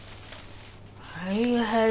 はいはい。